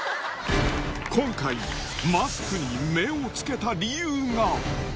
今回、マスクに目をつけた理由が。